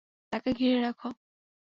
তাঁকে ঘিরে রাখ।